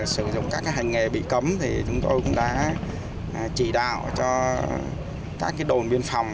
sử dụng các hành nghề bị cấm thì chúng tôi cũng đã chỉ đạo cho các đồn biên phòng